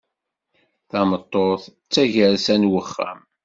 Tameṭṭut d tagersa n uxxam.